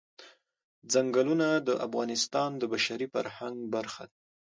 چنګلونه د افغانستان د بشري فرهنګ برخه ده.